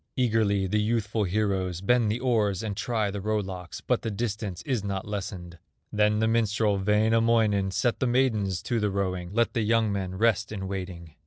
Eagerly the youthful heroes Bend the oars and try the row locks, But the distance is not lessened. Then the minstrel, Wainamoinen, Set the maidens to the rowing, Let the young men rest in waiting.